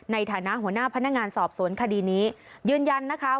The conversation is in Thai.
ในฐานะหัวหน้าพนักงานสอบสวนคดีนี้ยืนยันนะคะ